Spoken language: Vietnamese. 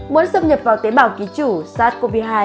mới xâm nhập vào tế bào ký chủ sars cov hai